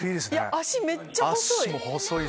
脚めっちゃ細い！